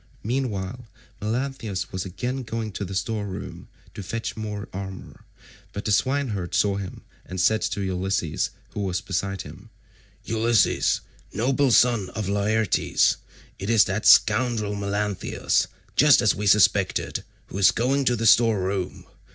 Meanwhile Melanthius was again going to the store room to fetch more armour, but the swineherd saw him and said to Ulysses who was beside him, "Ulysses, noble son of Laertes, it is that scoundrel Melanthius, just as we suspected, who is going to the store room.